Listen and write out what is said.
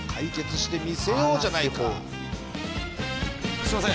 すみません